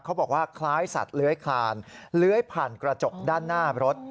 เขาบอกว่าคล้ายสัตว์เลื้อยคลานเลื้อยผ่านกระจกด้านหน้ารถ